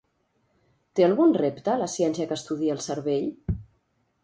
Té algun repte la ciència que estudia el cervell?